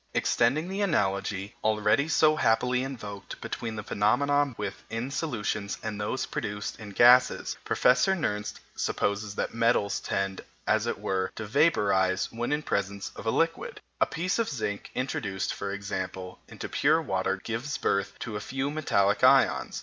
Extending the analogy, already so happily invoked, between the phenomena met with in solutions and those produced in gases, Professor Nernst supposes that metals tend, as it were, to vaporize when in presence of a liquid. A piece of zinc introduced, for example, into pure water gives birth to a few metallic ions.